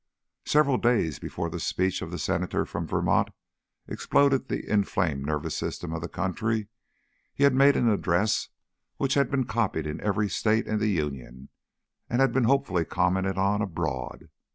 Several days before the speech of the Senator from Vermont exploded the inflamed nervous system of the country, he had made an address which had been copied in every State in the Union and been hopefully commented on abroad.